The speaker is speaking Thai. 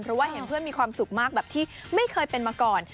เพราะว่าเห็นเพื่อนมีความสุขมากแบบที่ไม่เคยเป็นมาก่อน